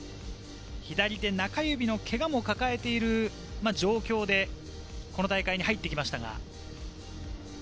左手中指のけがもかかえている状況で、この大会に入ってきました。